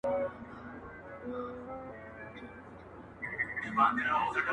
ساقي هوښیار یمه څو چېغي مي د شور پاته دي،